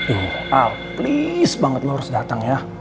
ih please banget lo harus datang ya